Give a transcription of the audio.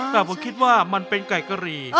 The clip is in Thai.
แต่ผมคิดว่ามันเป็นไก่กะหรี่